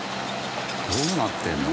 どうなってるんだ？